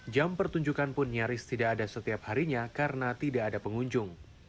jam pertunjukan pun nyaris tidak ada setiap harinya karena tidak ada pengunjung